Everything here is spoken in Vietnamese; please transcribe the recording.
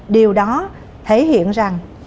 điều đó thể hiện rằng